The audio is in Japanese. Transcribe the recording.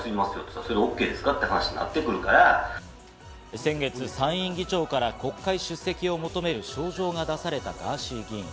先月、参院議長から国会出席を求める招状が出されたガーシー議員。